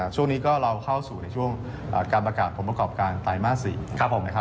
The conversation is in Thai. ช่วงนี้ก็เราเข้าสู่ในช่วงการประกาศผลประกอบการไตรมาส๔นะครับ